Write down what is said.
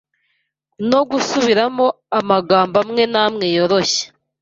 no gusubiramo amagambo amwe n’amwe yoroshye